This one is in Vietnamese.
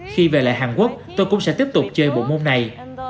khi về lại hàn quốc tôi cũng sẽ tiếp tục chơi bộ môn này